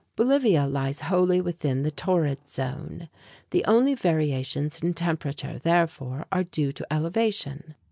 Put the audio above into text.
Bolivia lies wholly within the torrid zone. The only variations in temperature, therefore, are due to elevation.